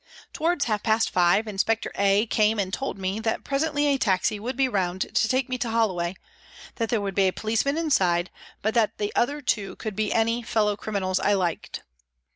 Towards half past five Inspector A came and told me that presently a taxi would be round to take me to Holloway, that there would be a policeman inside, but that the other two could be any " fellow crimi nals " I liked.